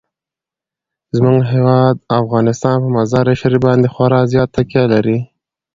زموږ هیواد افغانستان په مزارشریف باندې خورا زیاته تکیه لري.